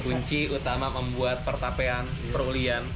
kunci utama membuat pertapean perutnya ya pak